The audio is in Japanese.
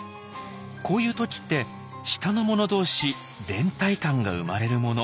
こういう時って下の者同士連帯感が生まれるもの。